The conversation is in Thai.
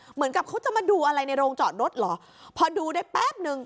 เหมือนกับเขาจะมาดูอะไรในโรงจอดรถเหรอพอดูได้แป๊บนึง